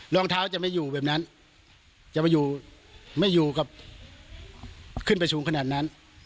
ลองฟังท่านตอบหน่อยนะคะ